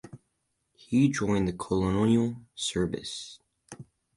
He joined the Colonial Service.